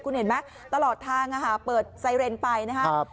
คุณเห็นไหมตลอดทางเปิดไซเรนไปนะครับ